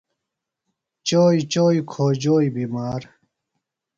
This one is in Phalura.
چوئی چوئی کھوجوئی بِمار